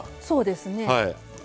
そうですね。